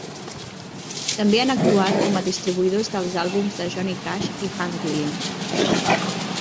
També han actuat com a distribuïdors dels àlbums de Johnny Cash i Hank Williams.